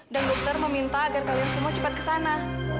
dan dokter meminta agar kalian semua cepat ke sana